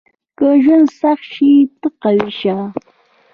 • که ژوند سخت شي، ته قوي شه.